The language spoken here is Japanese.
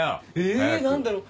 え何だろう？